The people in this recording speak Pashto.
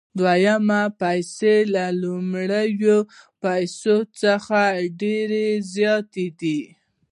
دویمې پیسې له لومړیو پیسو څخه ډېرې زیاتې دي